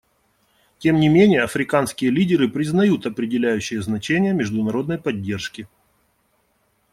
Тем не менее, африканские лидеры признают определяющее значение международной поддержки.